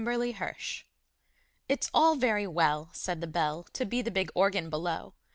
'BELL UPON ORGAN. It's all very well, Said the Bell, To be the big Organ below!